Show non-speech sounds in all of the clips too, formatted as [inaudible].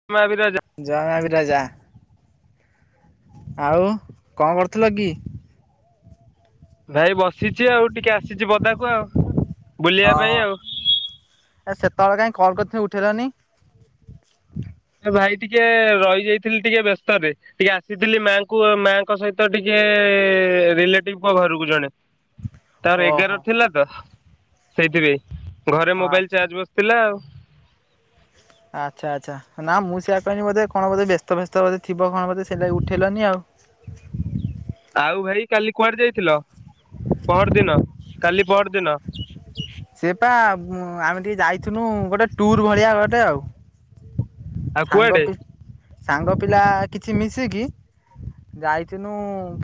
[unintelligible] [unintelligible] ଆଉ କଣ କରୁଥିଲ କି? ଭାଇ ବସିଚି ଆଉ ଟିକେ ଆସିଚି ପଦାକୁ ଆଉ। ବୁଲିବା ହଁ ପାଇଁ ଆଉ। ଏ ସେତେବେଳେ କାଇଁ କଲ୍ କରିଥିଲି ଉଠେଇଲନି? ଏ ଭାଇ ଟିକେ ରହିଯାଇଥିଲି ଟିକେ ବ୍ୟସ୍ତରେ। ଟିକେ ଆସିଥିଲି ମାଙ୍କୁ ମାଙ୍କ ସହିତ ଟିକେ ରିଲେଟିଭ ଙ୍କ ଘରକୁ ଜଣେ। [inaudible] ତାର ଏଗାର ଓହୋ ଥିଲା ତ ସେଇଥିପାଇଁ, ଘରେ ମୋବାଇଲ ଚାର୍ଜ ବସିଥିଲା ଆଉ। ଆଚ୍ଛା, ଆଚ୍ଛା। ନା ମୁଁ ସେୟୀଆ କହିନୀ ବୋଧେ କଣ ବୋଧେ ବ୍ୟସ୍ତ ବ୍ୟସ୍ତ ବୋଧେ ଥିବ କଣ ବୋଧେ ସେଇ ଲାଗି ଉଠେଇଲନି ଆଉ। ଆଉ ଭାଇ କାଲି କୁଆଡେ ଯାଇଥିଲ? ପଅର ଦିନ କାଲି ପଅର ଦିନ? ସେ ପା ଆମେ ଟିକେ ଯାଇଥିନୁ ଗୋଟେ ଟୁର ଭଳିଆ ଗୋଟେ ଆଉ ଆଉ ସାଙ୍ଗ କୁଆଡେ ପିକ ସାଙ୍ଗ ପିଲା କିଛି ମିଶିକି ଯାଇଥିନୁ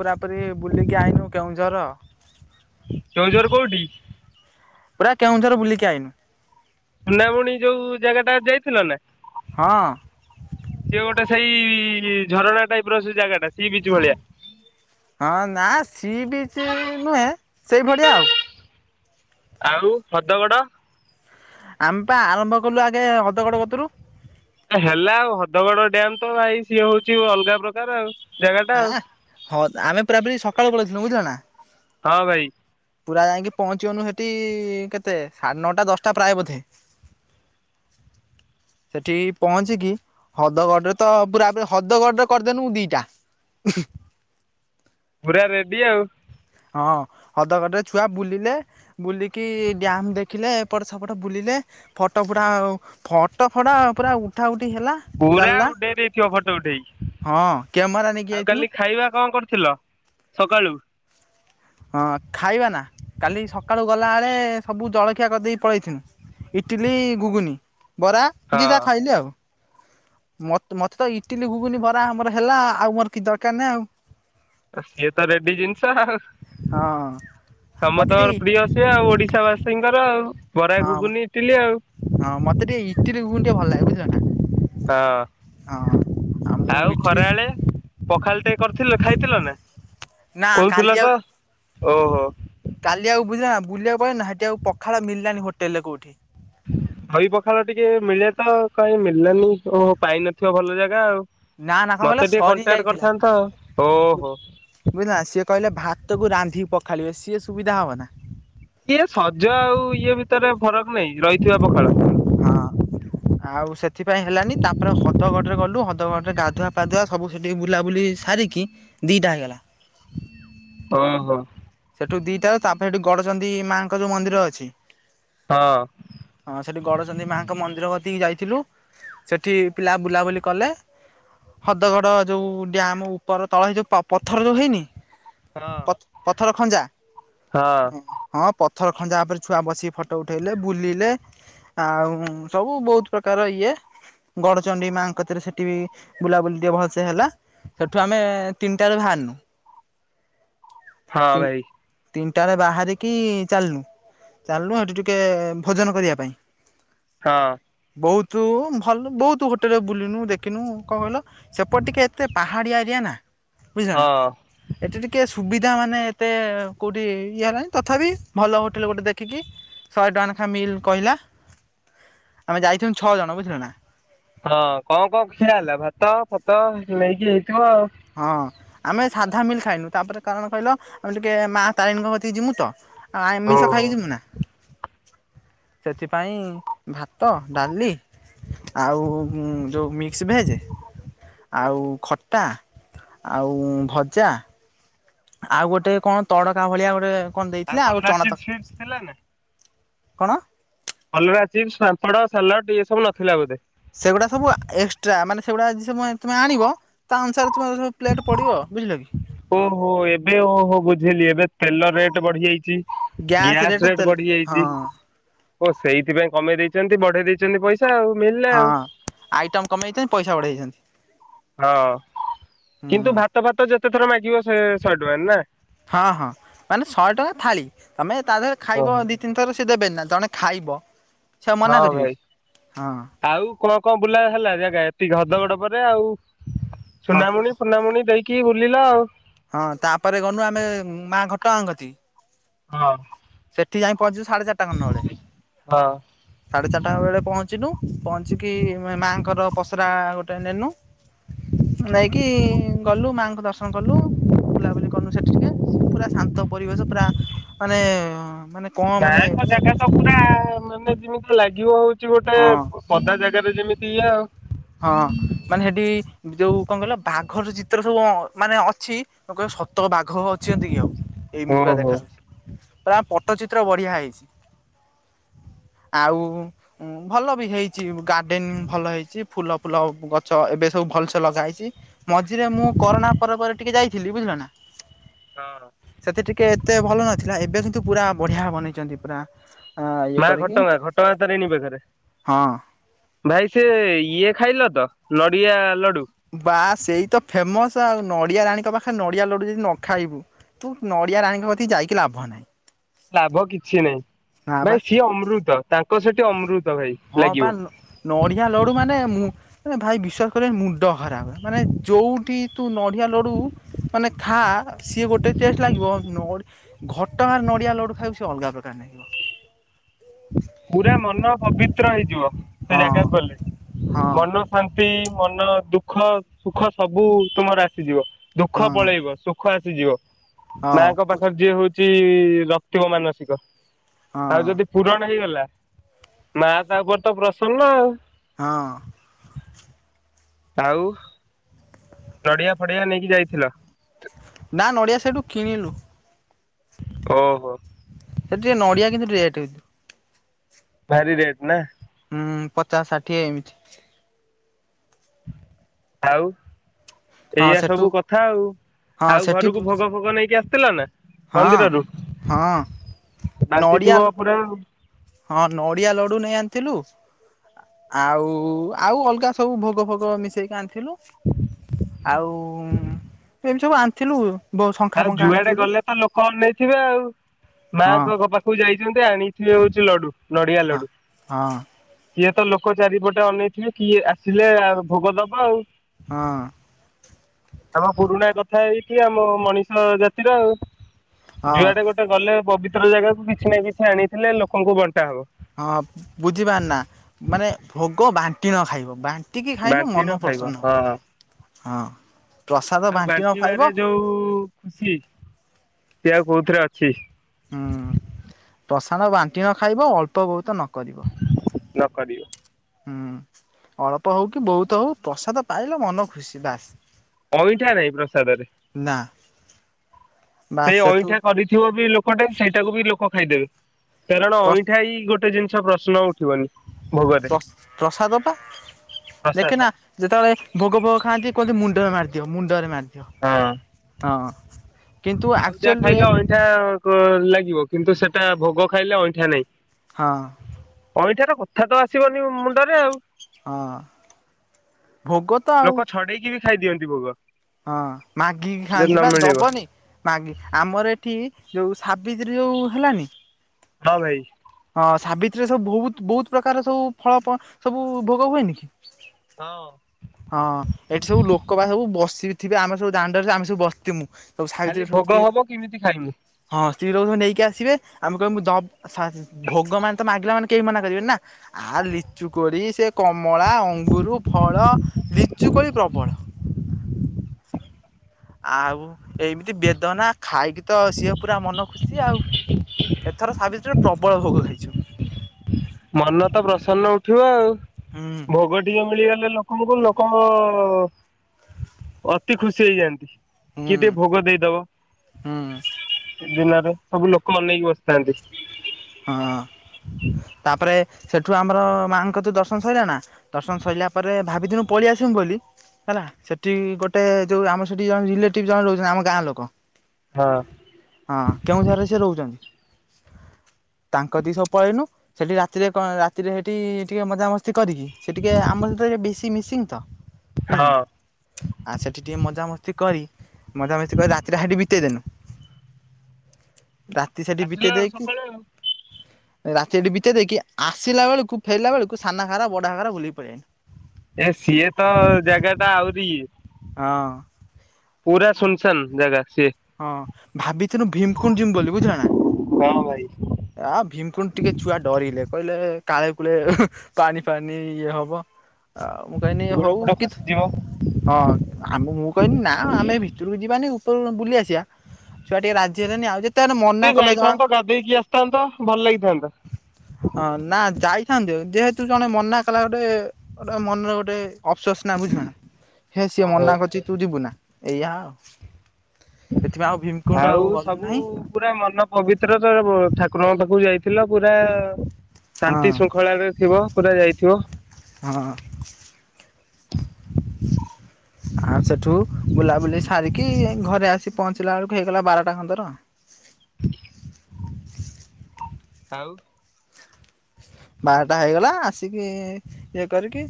ପୁରା ପୁରି ବୁଲିକି ଆଇନୁ କେଉଁଝର। କେଉଁଝର କୋଉଠି? ପୁରା କେଉଁଝର ବୁଲିକି ଆଇନୁ। ସୁନାମୁଣି ଯୋଉ ଜାଗା ଟା ଯାଇଥିଲ ନା।? ହଁ। ସିଏ ଗୋଟେ ସେଇ ଝରଣା ଟାଇପର ସେ ଜାଗା ଟା ସି ବିଚ ଭଳିଆ। ହଁ ନା ସି ବିଚ ନୁହେଁ ସେଇ ଭଳିଆ ଆଉ। ଆଉ ହଦଗଡ଼? ଆମେ ପା ଆରମ୍ଭ କଲୁ ଆଗେ ହଦଗଡ କତୁରୁ। ହେଲା ଆଉ ହଦଗଡ ଡ୍ୟାମ ତ ଭାଇ ସିଏ ହୋଉଚି ଅଲଗା ପ୍ରକାର ଆଉ। ଜାଗା ଟା ଆ ହଁ ଆମେ ପୁରାପୁରୀ ସକାଳୁ ପଳେଇଥିଲୁ ବୁଝିଲ ନା।? ହଁ ଭାଇ। ପୁରା ଯାଇକି ପହଞ୍ଚିବନି ସେଠି କେତେ ସାଢେ ନଅଟା ଦଶଟା ପ୍ରାୟ ବୋଧେ। [unintelligible] ସେଠି ପହଞ୍ଚିକି ହଦଗଡରେ ତ ପୁରା ପ ହଦଗଡରେ କରିଦେନୁ ଦିଟା। ହୁଁ। ପୁରା ରେଡ଼ି ଆଉ। ହଁ ହଦଗଡରେ ଛୁଆ ବୁଲିଲେ। ବୁଲିକି ଡ୍ୟାମ ଦେଖିଲେ, ଏପଟ ସେପଟ ବୁଲିଲେ, ଫଟୋ ଫୁଟା ଆ ଫଟ ଫଟ ପୁରା ଉଠା ଉଠି ହେଲା। ପୁରା ଚାଲିଲା। ଉଡେଇଥିବ ଫଟୋ ଉଠେଇକି, ହଁ କ୍ୟାମେରା ନେଇକି ଆଉ ଯାଇଥିଲୁ। କାଲି ଖାଇବା କଣ କରିଥିଲୁ? ସକାଳୁ। ହଁ ଖାଇବା ନା କାଲି ସକାଳୁ ଗଲାବେଳେ ସବୁ ଜଳଖିଆ କରିଦେଇକ ପଳେଇଥିନୁ। ଇଟିଲି, ଗୁଗୁନି, ବରା ଯିଏ ଯାହା ହଁ ଖାଇଲି ଆଉ। ମତେ ମତେ ତ ଇଟିଲି, ଗୁଗୁନି, ଆମର ହେଲା ଆଉ ମୋର କିଛି ଦରକାର ନାହିଁ ଆଉ। ସିଏ ତ ରେଡି ଜିନିଷ ଆଉ। ଆଉ ହଁ ମତେ ସମସ୍ତଙ୍କର ପ୍ରିୟ ଟିକେ ସିଏ ଆଉ ଓଡିଶା ବାସୀ ବାସୀଙ୍କର ଆଉ। ବରା, ହଁ ଘୁଗୁନି, ଇଟିଲି ଆଉ। ହଁ ମତେ ଟିକେ ଇଟିଲି ଘୁଗୁନି ଟିକେ ଭଲ ଲାଗେ ବୁଝିଲ ହଁ। ହଁ। ମୁଁ ଆଉ ଇଟିଲି ଖରାବେଳେ ପଖାଳ ଟିକେ କରିଥିଲ ଖାଇଥିଲ ନା? ନା କାଲି କହୁଥିଲା ଆଉ ତ ଓହୋ। କାଲି ଆଉ ବୁଝିଲା ନା [unintelligible] ସେଠି ଆଉ ପଖାଳ ମିଲାନି ହୋଟେଲରେ କୋଉଠି? ଦହି ପଖାଳ ଟିକେ ମିଳେ ତ କାଇଁ ମିଳିଲାନି? ଓହୋ ପାଇନଥିବ ଭଲ ଜାଗା ଆଉ। ନା ନା କଣ କହିଲ ମତେ ଟିକେ ସରି କଣ୍ଟାକ୍ଟ କରିଥାନ୍ତ? ଓହୋ, ବୁଝିଲନା ସିଏ କହିଲେ ଭାତକୁ ରାନ୍ଧିକି ପଖାଳିବେ ସିଏ ସୁବିଧା ହେବ ନା। ଇଏ ସଜ ଆଉ ଇଏ ଭିତରେ ଫରକ ନାଇଁ ରହିଥିବା ପଖାଳ। ହଁ। ଆଉ ସେଥିପାଇଁ ହେଲାନି ତାପରେ ହଦ ଗଡରେ ଗଲୁ ହଦ ଗଡ ରେ ଗାଧୁଆ ପାାଧୁଆ ସବୁ ସେଠିକି ବୁଲାବୁଲି ସାରିକି ଦିଟା ହେଇଗଲା। ଓହୋ। ସେଠୁ ଦିଟାରେ ତାପରେ ସେଠି ଗଡଚଣ୍ଡି ମାଙ୍କ ଯୋଉ ମନ୍ଦିର ଅଛି। ହଁ ହଁ ସେଠି ଗଡଚଣ୍ଡି ମାଙ୍କ ମନ୍ଦିର ବତିକି ଯାଇଥିଲୁ। ସେଠି ପିଲା ବୁଲାବୁଲି କଲେ। ହଦଗଡ଼ ଯଉ ଡ୍ୟମ୍ ଉପର ତଳ ହେଇ ଯଉ ପଥର ଯଉ ହେଇନି। ହଁ। ପଥର ଖଞ୍ଜା। ହଁ ପଥର ଖଞ୍ଜା ଉପରେ ଛୁଆ ବସିକି ଫଟୋ ଉଠେଇଲେ ବୁଲିଲେ। ଆଉ ସବୁ ବହୁତ ପ୍ରକାର ଇଏ। ଗଡଚଣ୍ଡି ମାଙ୍କକତିରେ ସେଠି ବି ବୁଲାବୁଲି ଟିକେ ଭଲସେ ହେଲା। ସେଠୁ ଆମେ ତିନିଟାରେ ବାହାରିଲୁ। ହଁ ଭାଇ। ତିନିଟାରେ ବାହାରିକି ଚାଲିଲୁ। ଚାଲଲୁ ସେଠି ଟିକେ ଭୋଜନ କରିବା ପାଇଁ। ହଁ। ବହୁତ ଭଲ ବହୁତ ହୋଟେଲରେ ବୁଲିନୁ ଦେଖିନୁ କଣ କହିଲ। ସେପଟେ ଟିକେ ଏତେ ପାହାଡ଼ିଆ ଏରିଆ ନା, ବୁଝିଲ ନା ହଁ ଏଠି ଟିକିେ ସୁବିଧା ମାନେ ଏତେ କୋଉଠି ଇଏ ନାହିଁ ତଥାପି ଭଲ ହୋଟେଲ ଗୋଟେ ଦେଖିକି ଶହେ ଟଙ୍କା ନେଖା ମିଲ୍ କହିଲା, ଆମେ ଯାଇଥିଲୁ ଛଅଜଣ ବୁଝିଲ ନା। ହଁ କଣ କଣ ଖିଆ ହେଲା ଭାତ ଫାତ ନେଇକି ହେଇଥିବ ଆଉ। ହଁ। ଆମେ ସାଧା ମିଲ୍ ଖାଇନୁ ତାପରେ କାରଣ କହିଲ ଆମେ ଟିକେ ମା ତାରିଣୀଙ୍କ କତିକ ଯିମୁ ତ। ଆଉ ଆମିଷ ଓହୋ ଖାଇ ଯିବୁ ନା। ସେଥିପାଇଁ ଭାତ, ଡାଲି ଆଉ ଯୋଉ ମିକ୍ସଭେଜ ଆଉ ଖଟା। ଆଉ ଭଜା। ଆଉ ଗୋଟେ କଣ ତଡକା ଭଳିଆ ଗୋଟେ କଣ ଦେଇଥିଲା ଆଉ କଲରା ଚଣା ଚିପ୍ସ ତର ଥିଲା ନା [inaudible] କଣ? କଲରା ଚିପ୍ସ, ପାମ୍ପଡ, ସାଲାଡ ଇଏ ସବୁ ନଥିଲା ବୋଧେ? ସେଗୁଡା ସବୁ ଏକ୍ସଟ୍ରା ମାନେ ସେଗୁଡା ତମେ ଆଣିବ ତା ଅନୁସାରେ ତୁମର ସବୁ ପ୍ଲେଟ୍ ପଡ଼ିବ ବୁଝିଲ କି? ଓହୋ ଏବେ ଓହୋ ବୁଝିଲି ଏବେ ତେଲ ରେଟ୍ ବଢି ଯାଇଛି। ଗ୍ୟାସ ରେଟ ବଢି ଯାଇଛି। ଓ ସେଇଥିପାଇଁ କମେଇ ଦେଇଛନ୍ତି ବଢେଇ ଦେଇଛନ୍ତି ପଇସା ଆଉ ମିଲିଟା ଆଉ। ହଁ ଆଇଟମ କମେଇଛନ୍ତି ପଇସା ବଢେଇଛନ୍ତି। ହଁ କିନ୍ତୁ ହୁଁ ଭାତ ଭାତ ଯେତେ ଥର ମାଗିବ ସେ ଶହେ ଟଙ୍କା ରେ ନା। ହଁ ହଁ ମାନେ ଶହେ ଟଙ୍କା ଥାଳି ତମେ ତା ଦେହରେ ଖାଇବ ଓହୋ ଦି ତିନି ଥର ସେ ଦେବେ ନା ଜଣେ ଖାଇବ। ସେ ଆଉ ହଁ ମନା କରିବେ ଭାଇ। କି ହଁ ଆଉ କଣ କଣ ବୁଲା ହେଲା ଜାଗା ଏତିକ ଘଦଗଡ ପରେ ଆଉ ହଁ ସୁନାମୁଣି ପୁନାମୁଣି ଦେଇକି ବୁଲିଲ। ହଁ ତାପରେ ଗଲୁ ଆମେ ମା ଘଟଗାଁ ଗଲି। ହଁ। ସେଠି ଯାଇ ପହଞ୍ଚିଲୁ ସାଢେ ଚାରିଟା ଖଣ୍ଡ ହଁ। ବେଳେ। ସାଢ଼େ ଚାରିଟା ବେଳେ ପହଞ୍ଚିନୁ ପହଞ୍ଚିକି ମାଆଙ୍କର ପସରା ଗୋଟେ ନେନୁ। ନେଇକି-ଇ-ଇ-ଇ ଗଲୁ ମାଙ୍କୁ ଦର୍ଶନ କଲୁ। ବୁଲାବୁଲି କରନୁ ସେଠି ଟିକେ ପୁରା ଶାନ୍ତ ପରିବେଶ ପୁରା ମାନେ-ଏ-ଏ-ଏ ମାନେ କଣ ମାନେ ମାନେ ପ୍ରାଏ ମାନେ ଯେମିତି ଲାଗିବ ହଉଛି ଗୋଟେ ହଁ ପଦା ଜାଗାରେ ଯେମିତି ଇଏ ଆଉ। ହଁ ମାନେ ସେଠି ଯୋଉ କଣ କହିଲ ବାଘର ଚିତ୍ର ସବୁ ଅ-ଅ-ଅ ମାନେ ଅଛି ତମେ କହିବ ସତ ବାଘ ଅଛନ୍ତି କି ଆଉ ଏମିତି ଓହୋ ପୁରା ହଁ। ଦେଖାଯାଉଛି। ପୁରା ପଟଚିତ୍ର ବଢିଆ ହେଇଛି। ଆଉ-ଉ-ଉ ଉ ଭଲ ବି ହେଇଛି ଗାର୍ଡେନ୍ ଭଲ ହେଇଛି ଫୁଲ ଫୁଲ ଗଛ ଏବେ ସବୁ ଭଲସେ ଲଗା ହେଇଛି। ମଝିରେ ମୁଁ କରୋନା ପରେ ପରେ ଟିକେ ଯାଇଥିଲି ବୁଝିଲ ନା? ହଁ। ସେତେ ଟିକେ ଏତେ ଭଲ ନଥିଲା ଏବେ କିନ୍ତୁ ପୁରା ବଢିଆ ବନେଇଛନ୍ତି ପୁରା ଅ ଇଏ ମା କରିକି ଘଟଗାଁ ଘଟଗାଁ ତାରିଣୀ ପାଖରେ? ହଁ। ଭାଇ ସେ-ଏ-ଏ ଇଏ ଖାଇଲ ତ ନଡ଼ିଆ ଲଡୁ? ବା ସେଇ ତ ଫେମସ ଆଉ ନଡ଼ିଆ ରାଣୀଙ୍କ ପାଖରେ ନଡିଆ ଲଡୁ ଯଦି ନ ଖାଇବୁ ତୁ ନଡ଼ିଆ ରାଣୀ ପାଖେ ଯାଇକି ଲାଭ ନାହିଁ। ଲାଭ କିଛି ନାହିଁ ନା ବା। ଭାଇ ସିଏ ଅମୃତ ତାଙ୍କ ସେଠି ଅମୃତ ଭାଇ ଲାଗିବ। ନଡିଆ ଲଡୁ ମାନେ ମୁଁ ରେ ଭାଇ ବିଶ୍ଵାସ କରିବନି ମୁଣ୍ଡ ଖରାପ ମାନେ ଯୋଉଠି ତୁ ନଡିଆ ଲଡୁ ମାନେ ଖା ସିଏ ଗୋଟେ ଟେଷ୍ଟ ଲାଗିବ ନ ଘଟଗାଁରେ ନଡିଆ ଲଡୁ ଖାଇବ ସେ ଅଲଗା ପ୍ରକାର ଭାଇ। ପୁରା ମନ ପବିତ୍ର ହେଇଯିବ ସେ ହଁ ଜାଗାକୁ ଗଲେ, ହଁ ମନ ଶାନ୍ତି, ମନ ଦୁଃଖ, ସୁଖ ସବୁ ତୁମର ଆସିଯିବ ହଁ ଦୁଃଖ ପଳେଇବ ସୁଖ ଖ ଆସିଯିବ ମାଙ୍କ ହଁ ପାଖରେ ଯିଏ ହଉଛି-ଇ-ଇ-ଇ ରଖିଥିବ ମାନସିକ। ଆଉ ହଁ ଯଦି ପୁରଣ ହେଇଗଲା ମା ତା ଉପରେ ତ ପ୍ରସନ୍ନ। ହଁ। ଆଉ ନଡିଆ ଫଡିଆ ନେଇକି ଯାଇଥିଲ? ନା ନଡ଼ିଆ ସେଇଠୁ କିଣିଲୁ। ଓହୋ। ସେଠି ଟିକେ ନଡିଆ କିନ୍ତୁ ରେଟ୍। [unintelligible] ଭାରି ରେଟ ନା? ହୁଁ ପଚାଶ ଷାଠିଏ ଏମିତି। ଆଉ ହଁ ଏଇଆ ସେଠୁ ସବୁ କଥା ଆଉ। ହଁ ଆଉ ସେଠି ଘରକୁ ଭୋଗ ହଁ ଫୋଗ ନେଇକି ଆସିଥିଲା ନା? ମନ୍ଦିରରୁ ହଁ ନଡ଼ିଆ ବାଣ୍ଟିଥିବ ପୁରା। ହଁ ନଡିଆ ଲଡୁ ନେଇ ଆଣିଥିଲୁ। ଆଉ-ଉ-ଉ-ଉ ଆଉ ଅଲଗା ସବୁ ଭୋଗ ଫୋଗ ମିଶେଇ କି ଆଣ୍ ଥିଲୁ ଆଉ-ଉ-ଉ-ଉ ଏମିତି ସବୁ ଆଣିଥିଲୁ। ବୋ ଶଙ୍ଖା ଆରେ ଫଙ୍କା ଯୁଆଡେ ଆଣିଥିଲୁ ଗଲେ ତ ଲୋକ ଅନେଇଥିବେ ଆଉ ହଁ ମାଆଙ୍କ କ ପାଖ କୁ ଯାଇଛନ୍ତି ଆଣିଥିବ ହଉଛି ଲଡୁ ନଡିଆ ହଁ। ଲଡୁ। ହଁ ସିଏ ତ ଲୋକ ଚାରିପଟେ ଅନେଇଥିବେ କିଏ ଆସିଲେ ଆ ଭୋଗ ଦବ ଆଉ। ହଁ। ଆମ ପୁରୁଣା କଥା ଏହିକି ଆମ ମଣିଷ ଜାତିର ହଁ ଜୁଆଡେ ଗୋଟେ ଗଲେ ପବିତ୍ର ଜାଗାକୁ କିଛି ନା କିଛି ଆଣିଥିଲେ ଲୋକଙ୍କୁ ବଣ୍ଟା ହବ। ହଁ ବୁଝିପାର ନା ମାନେ ଭୋଗ ବାଣ୍ଟିଣ ଖାଇବ ବା ଟିକି ଖାଇନ ବାଣ୍ଟି ମନ ନ ଖାଇବ ପ୍ରସନ। ହଁ ହଁ ପ୍ରସାଦ ବାଣ୍ଟିଣ ଖାଇବ। ସି ସେ ଆଉ କୋଉଥିରେ ଅଛି। ହୁଁ ପ୍ରସାଣ ବାଣ୍ଟିଣ ନ ଖାଇବ ଅଳ୍ପ ବହୁତ ନ କରିବ। ନ କରିବ ହୁଁ ଅଳ୍ପ ହଉ କି ବହୁତ ହଉ ପ୍ରସାଦ ପାଇଲେ ମନ ଖୁସି ବାସ୍। ଅଇଁଠା ନାଇଁ ପ୍ରସାଦରେ ନା ବାସ୍ ସେଇ ସେଠୁ ଅଇଁଠା କରିଥିବ ବି ଲୋ କଟେ ସେଇଟାକୁ ବି ଲୋକ ଖାଇଦେବେ କାରଣ ପ୍ର ଅଇଁଠା ହି ଗୋଟେ ଜିନିଷ ପ୍ରଶ୍ନ ଉଠିବନି। ଭୋଗରେ ପ୍ର ପ୍ରସାଦ ବା ପ୍ରସାଦ ଦେଖିନା। ଯେତେବେଳେ ଭୋଗ ଫୋଗ ଖାଆନ୍ତି କୁହନ୍ତି ମୁଣ୍ଡରେ ମାରିଦିଅ ମୁଣ୍ଡରେ ମାରିଦିଅ। ହଁ। ହଁ। କିନ୍ତୁ ଆଉ ଯାହା ଆକ୍ଚୁଆଲିରେ ଖାଇଲେ ଅଇଁଠା ଲାଗିବ। କିନ୍ତୁ ସେଟା ଭୋଗ ଖାଇଲେ ଅଇଁଠା ନାଇଁ। ହଁ। ଅଇଁଠାର କଥା ତ ଆସିବନି ମୁଣ୍ଡରେ ଆଉ। ହଁ ଭୋଗ ତ ଆଉ ଲୋକ ଛଡେଇକି ବି ଖାଇଦିଅନ୍ତି ଭୋଗ। ହଁ ମାଗିକି ଯଦି ଖାଆନ୍ତି ନ ବା ମିଳିବ ଦବନି। ମାଗେ ଆମର ଏଠି ଯୋଉ ସାବିତ୍ରୀ ଯୋଉ ହେଲାନି ହଁ ଭାଇ। ହଁ ସାବିତ୍ରୀରେ ସବୁ ବହୁତ ବହୁତ ପ୍ରକାର ସବୁ ଫଳ ସବୁ ଭୋଗ ହୁଏନି କି? ହଁ। ହଁ ଏଠି ସବୁ ଲୋକ ବା ସବୁ ବସିିକି ଥିବେ ଆମେ ସବୁ ଦାଣ୍ଡରେ ଆମେ ସବୁ ବସିଥିମୁ। ସବୁ ଖାଲି ସାରିଥିରେ ଭୋଗ ସବୁ [unintelligible] ହବ କେମିତି ଖାଇମୁ ହଁ ସ୍ତ୍ରୀ ଲୋକ ସବୁ ନେଇକି ଆସିବେ ଆମେ କହିବୁ ଦଭୋଗ ମାନେ ତ ମାଗିଲା ମାନେ କେହି ମନା କରିବେ ନା ଆ ଲିଚୁ କୋଳି ସେ କମଳା ଅଙ୍ଗୁୁର ଫଳ ଲିଚୁ କୋଳି ପ୍ରବଳ। ଆଉ ଏମିତି ବେଦନା ଖାଇକି ତ ସିଏ ପୁରା ମନ ଖୁସି ଆଉ। ଏଥର ସାବିତ୍ରୀ ରେ ପ୍ରବଳ ଭୋଗ ଖାଇଛୁ। ମନ ତ ପ୍ରସନ୍ନ ଉଠିବ ଆଉ। ହୁଁ। ଭୋଗ ଟିକେ ମିଳିଗଲେ ଲୋକଙ୍କୁ ଲୋକ ଅତି ଖୁସି ହେଇଯାଆନ୍ତି। ହୁଁ କିଏ ଟିକେ ଭୋଗ ଦେଇଦବ। ହୁଁ ଜିନାରେ ସବୁ ଲୋକ ଅନେଇକି ବସିଥାନ୍ତି। ହଁ ତାପରେ ସେଠୁ ଆମର ମାଙ୍କ ତୁ ଦର୍ଶନ ସରିଲା ନା ଦର୍ଶନ ସରିଲା ପରେ ଭାବିଥିନୁ ପଳେଇ ଆସିବିୁ ବୋଲି। ହେଲା ସେଠି ଗୋଟେ ଯୋଉ ଆମ ସେଠି ଜଣେ ରିଲେଟିଭ ଜଣେ ରହୁଛନ୍ତି ଆମ ଗାଁ ଲୋକ। ହଁ। ହଁ କେଉଁ ଠାରେ ସେ ରହୁଛନ୍ତି? ତାଙ୍କ ଗତି କୁ ସବୁ ପଳେଇନୁ। ସେଠି ରାତିରେ କଣ ରାତିରେ ସେଠି ଟିକେ ମଜାମସ୍ତି କରିକି ସେ ଟିକେ ଆମ ସହିତ ଟ ବେଶୀ ମିସିଂ ତ। ବୁଝିଲ ହଁ। ନା। ଆଉ ସେଠି ଟିକେ ମଜାମସ୍ତି କରି ମଜାମସ୍ତି କରି ରାତିରେ ହାଠି ବିତେଇଦେନୁ। ରାତି ସେଠି ଆସିଲ ବିତେଇ ଦେଇକି ସକାଳୁ ରାତିରେଠି ବିିତେଇ ଦେଇକି ଆସିଲା ବେଳକୁ ଫେରିଲା ବେଳକୁ ସାନଘାଗରା ବଢାଘାଗରା ବୁଲିକି ପଳେଇ ଆସିଲୁ। ଏ ସିଏ ତ ଜାଗା ଟା ଆହୁରି ଇଏ। ହଁ। ପୁରା ସୁୁନସାନ୍ ଜାଗା ସିଏ। ହଁ ଭାବିଥିନୁ ଭୀମକୁଣ୍ଡ ଯିମୁ ବୋଲି ବୁଝିଲ ନା। ହଁ ଭାଇ। ଆ ଭୀମକୁଣ୍ଡ ଟିକେ ଛୁଆ ଡରିଲେ କହିଲେ କାଳେ କୂଳେ ପାଣି ଫାଣିି ଇଏ ହବ ଆଉ ମୁଁ କହିନି ଗୋଡ ହଉ ଫୋଡ କି ଖସିଯିବ। ହଁ ଆମ ମୁଁ କହିଲି ନା ଆମେ ଭିତରକୁ ଯିବାନି ଉପର ବୁଲି ଆସିବା। ଛୁଆ ଟିକେ ରାଜି ହଲେନି ଆଉ ଜେ ଟିକେ ଯାଇଥାନ୍ତ ଗାଧେଇକି ଆସିଥାନ୍ତ ଭଲ ଲାଗିଥାନ୍ତା। ହଁ ନା ଯାଇଥାନ୍ତୁ ଯେହେତୁ ଜଣେ ମନା କଲା ଗୋଟେ ଗୋଟେ ମନରେ ଗୋଟେ ଅଫସୋସ ନା ବୁଝିବ ନା ହେ ସିଏ ଓହୋ। ମନା କରୁଛି ତୁ ଯିବୁନା ଏଇଆ ଆଉ। ସେଥିପାଇଁ ଆଉ ଭୀମକୁଣ୍ଡ ଆଉ ଗଲୁ ନାହିଁ। ପୁରା ମନ ପବିତ୍ର ତ ଠାକୁରଙ୍କ ପାଖକୁ ଯାଇଥିଲ ପୁରା ଶାନ୍ତି ହଁ ଶୃଙ୍ଖଳାରେ ଥିବ ପୁରା ଯାଇଥିବ। ହଁ। ଆଁ ସେଠୁ ବୁଲାବୁଲି ସାରିକି ଘରେ ଆସି ପହଞ୍ଚିଲା ବେଳକୁ ହେଇଗଲା ବାରଟା ଖନ୍ଦର। ଆଉ। ବାରଟା ହେଇଗଲା ଆସିକି ଇଏ କରିକି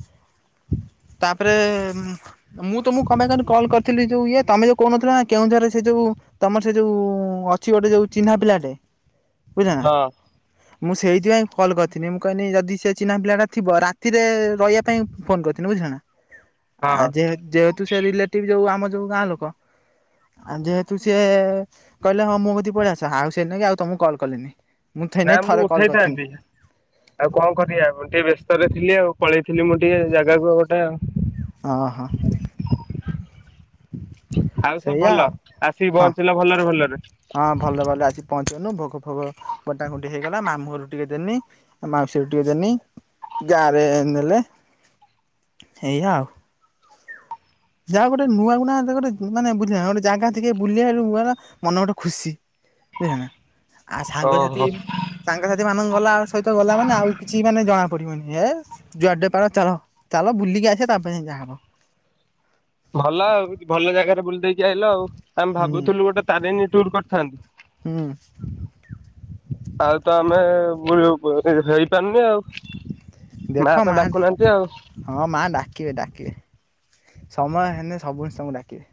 ତାପରେ ମୁଁ ତମକୁ କଁ ପାଇଁ କହନି କଲ କରିଥି ଯୋଉ ଇଏ ତମେ ଯୋଉ କହୁନଥିଲା ନା କେଉଁଝରରେ ସେ ଯୋଉ ତମର ସେ ଯୋଉ ଅଛି ଗୋଟେ ଯୋଉ ଚିହ୍ନା ପିଲାଟେ। ବୁଝିଲ ନା ହଁ ମୁଁ ସେଇଥିପାଇଁ କଲ୍ କରିଥିଲି। ଦିନେ ମୁଁ କହିନି ଯଦି ସେ ଚିହ୍ନା ପିଲାଟା ଥିବ ରାତିରେ ରହିବା ପାଇଁ ଫୋନ କରିଥିନି ବୁଝିଲ ନା। ହଁ ଆ ଯେ ଯେହେତୁ ସେ ରିଲେଟିଭ ଯୋଉ ଆମ ଯୋଉ ଗାଁ ଲୋକ। ଆଉ ଯେହେତୁ ସିଏ କହିଲେ ହଁ ମୋ କତିକି ପଳେଇଆସ ଆଉ ସେଇଥି ନାଗି ଆଉ ତମକୁ କଲ୍ କଲିନି। ମୁଁ ନା ସେଇନାଗି ମୁଁ ଥରେ କଲ୍ କରିଥିଲି ଉଠେଇଥାନ୍ତି। ଆଉ କଣ କରିବା ମୁଁ ଟିକେ ବ୍ୟସ୍ତରେ ଥିଲି ଆଉ ପଳେଇଥିଲି ମୁଁ ଟିକେ ଜାଗାକୁ ଆଉ ଗୋଟେ। ହଁ ହଁ। ଆଉ ସବୁ ସେଇଆ ଭଲ ଆଉ ଆସିକି ହଁ। ପହଞ୍ଚିଲ ଭଲରେ ଭଲରେ। ହଁ ଭଲ ଭଲ ଆସି ପହଞ୍ଚି ଗନି ନୁ ଭୋଗ ଫୋଗ ବଣ୍ଟା ବୁଣ୍ଟି ହେଇଗଲା ମାମୁଁ ଘରକୁ ଟିକେ ଦେନି। ମାଉସୀ ଘରକୁ ଟିକେ ଦେନି ଗାଁ ରେ ନେଲେ ଏଇଆ ଆଉ। ଯାହା ଗଟେ ନୂଆ ଗୁନା ଗୋଟେ ମାନେ ବୁଲିବା ଗୋଟେ ଜାଗା ଟିକେ ବୁଲି ଆଇଲୁ ମନ ଗୋଟେ ଖୁସି। ବୁଝିଲନା ଆ ସାଙ୍ଗସାଥି ଓହୋ ସାଙ୍ଗସାଥି ମାନଙ୍କ ଗଲା ସହିତ ଗଲା ମାନେ ଆଉ କିଛି ମାନେ ଜଣା ପଡିବନି ହେସ। ଯୁଆଡେ ପାର ଚାଲ ଚାଲ ବୁଲିକି ଆସିବାେ ତାପରେ ଯାଇଁ ଯାହା ହବ। ଭଲ ଆଉ ଭଲ ଜାଗାରେ ବୁଲି ଦେଇ କି ଅଇଲ ଆଉ ଆମେ ହୁଁ ଭାବୁଥିଲୁ ଗୋଟେ ତାରିଣୀ ଟୁର ହୁଁ କରିଥାନ୍ତି। ଆଉ ତ ଆମେ [inaudible] ପାରୁନି ଆଉ ଦେଖ ମାଆ ମା ତ ଡାକୁ ନାହାନ୍ତି ଆଉ। ହଁ ମା ଡାକିବେ ଡାକିବେ ସମୟ ହେଲେ ସବୁ ଛୁଆ ଙ୍କୁ ଡାକିବେ।